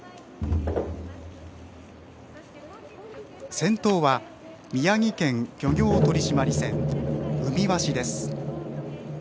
先頭は、宮城県漁業取締船うみわしです。